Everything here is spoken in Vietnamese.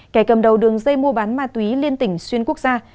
kẻ cầm đầu đường dây mua bán ma túy liên tỉnh xuyên quốc gia